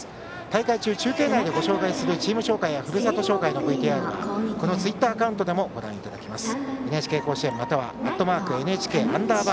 大会中、中継内でご紹介するチーム紹介やふるさと紹介のＶＴＲはこのツイッターアカウントでもご覧いただけます。